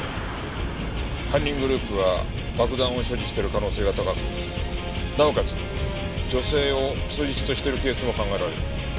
犯人グループは爆弾を所持している可能性が高くなおかつ女性を人質としているケースも考えられる。